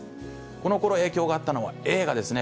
このころ影響があったのは映画です。